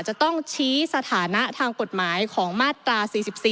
จะต้องชี้สถานะทางกฎหมายของมาตรา๔๔